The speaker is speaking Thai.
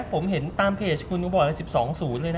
ผมเห็นตามเพจคุณหนูบอกเลย๑๒๐เลยนะ